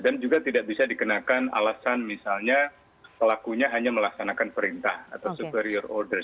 dan juga tidak bisa dikenakan alasan misalnya pelakunya hanya melaksanakan perintah atau superior order